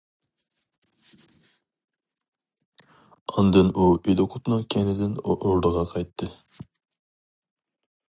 ئاندىن ئۇ ئىدىقۇتنىڭ كەينىدىن ئوردىغا قايتتى.